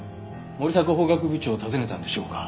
森迫法学部長を訪ねたんでしょうか？